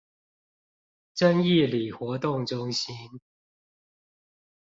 正義里活動中心